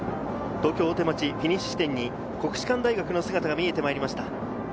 東京・大手町フィニッシュ地点に国士舘大学の姿が見えてきました。